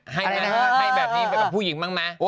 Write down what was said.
ให้แบบนี้แบบผู้หญิงมั่งมั้ยอะไรนะครับ